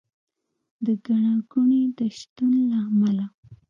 د ګڼه ګوڼې د شتون له امله